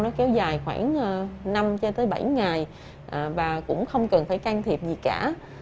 nó kéo dài khoảng năm bảy ngày và cũng không cần phải can thiệp gì cả